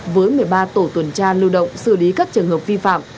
với một mươi ba tổ tuần tra lưu động xử lý các trường hợp vi phạm